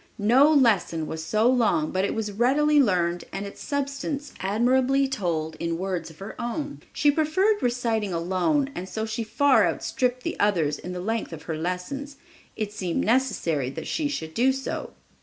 No lesson was so long but it was readily learned and its substance admirably told in words of her own. She preferred reciting alone and she so far outstripped the others in the length of her lessons, it seemed necessary that she should do so.